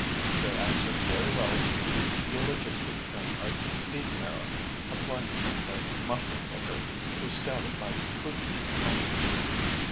They answered very well to the eulogistic term of beef marrow applied to them by the mushroom picker who scouted my prudent counsels.